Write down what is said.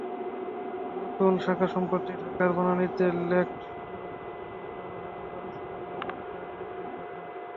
নতুন শাখাসম্প্রতি ঢাকার বনানীতে লেকশোর হোটেলে চালু হলো বারিস্তা লাভাজ্জার নতুন শাখা।